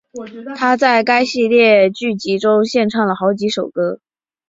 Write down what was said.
她在该系列剧集中献唱了好几首歌曲。